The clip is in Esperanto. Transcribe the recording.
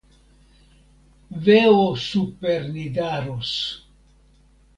Veo super Nidaros!